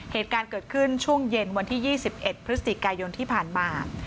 เหตุการณ์เกิดขึ้นช่วงเย็นวันที่๒๑พฤศจิกายนที่ผ่านมา